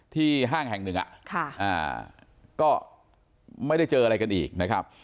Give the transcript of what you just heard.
ห้างแห่งหนึ่งก็ไม่ได้เจออะไรกันอีกนะครับ